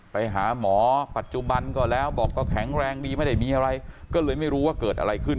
ไปหาหมอปัจจุบันก็แล้วบอกก็แข็งแรงดีไม่ได้มีอะไรก็เลยไม่รู้ว่าเกิดอะไรขึ้น